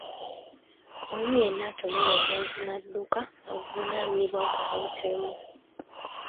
Oyo yenna atomera omuntu n'adduka avunaanibwa gwa butemu.